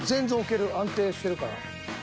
安定してるから。